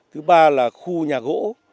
thứ ba là khu nhà gỗ